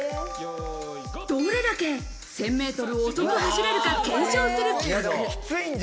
どれだけ１０００ｍを遅く走れるか検証する企画。